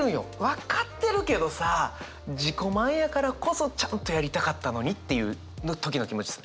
分かってるけどさ自己満やからこそちゃんとやりたかったのにっていうの時の気持ちです。